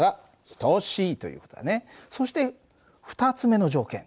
そして２つ目の条件。